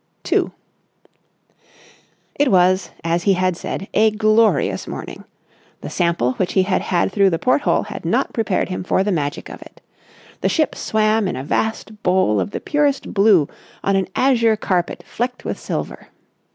§ 2 It was, as he had said, a glorious morning. The sample which he had had through the porthole had not prepared him for the magic of it. The ship swam in a vast bowl of the purest blue on an azure carpet flecked with silver.